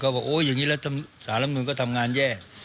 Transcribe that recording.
เขาบอกอย่างนี้แล้วสารรัฐเมืองก็ทำงานแย่